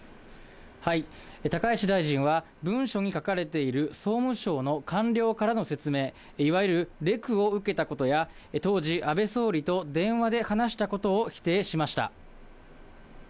高市大臣は、文書に書かれている総務省の官僚からの説明、いわゆるレクを受けたことや、当時、安倍総理と電話で話したことを否定しました。